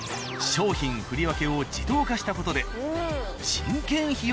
商品振り分けを自動化した事で。